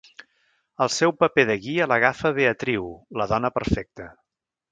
El seu paper de guia l'agafa Beatriu, la dona perfecta.